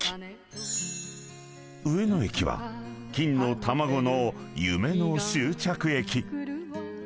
［上野駅は金の卵の夢の終着駅］